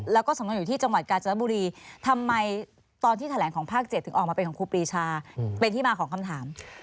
แล้วก็สำนวนอยู่ที่จังหวัดกาญจนบุรีทำไมตอนที่แถลงของภาค๗ถึงออกมาเป็นของครูปรีชาเป็นที่มาของคำถาม